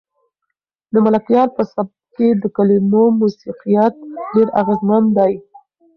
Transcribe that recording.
د ملکیار په سبک کې د کلمو موسیقیت ډېر اغېزمن دی.